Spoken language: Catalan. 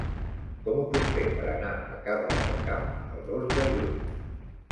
Com ho puc fer per anar a Cabra del Camp el dos de juny?